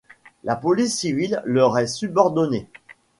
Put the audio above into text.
La police civile leur est subordonnée.